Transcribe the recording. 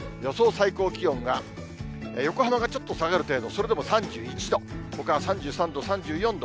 最高気温が横浜がちょっと下がる程度、それでも３１度、ほかは３３度、３４度。